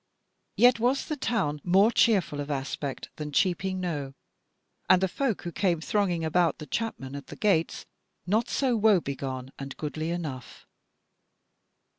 Yet was the town more cheerful of aspect than Cheaping Knowe, and the folk who came thronging about the chapmen at the gates not so woe begone, and goodly enough.